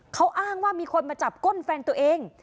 เขาอ้างว่ามีคนมาจับก้นแฟนตัวเอง